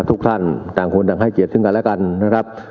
ทุกท่านต่างคนต่างให้เกียรติซึ่งกันและกันนะครับ